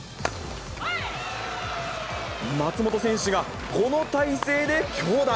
松本選手がこの体勢で強打。